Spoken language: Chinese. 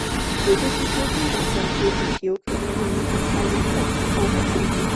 也就是说这两张贴纸有可能是用来掩盖原本的欧版设计。